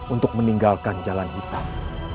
untuk meninggalkan jalan hitam